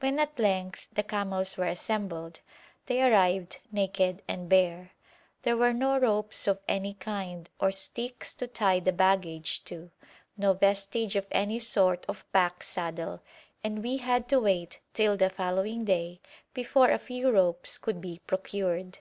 When at length the camels were assembled, they arrived naked and bare. There were no ropes of any kind, or sticks to tie the baggage to, no vestige of any sort of pack saddle, and we had to wait till the following day before a few ropes could be procured.